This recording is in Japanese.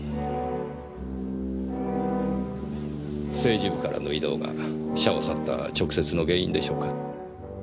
政治部からの異動が社を去った直接の原因でしょうか？